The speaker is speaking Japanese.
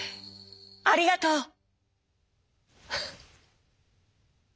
ありがとう！」。